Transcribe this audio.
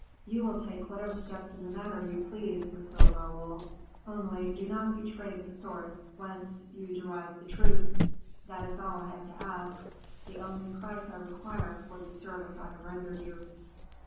"You will take whatever steps in the matter you please, Monsieur Raoul, only do not betray the source whence you derived the truth. That is all I have to ask, the only price I require for the service I have rendered you."